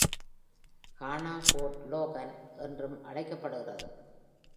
Hannaford, Logan என்றும் அழைக்கப்படுகிறது.